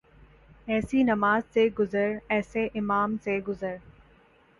ایسی نماز سے گزر ، ایسے امام سے گزر